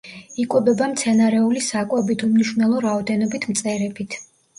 იკვებება მცენარეული საკვებით, უმნიშვნელო რაოდენობით მწერებით.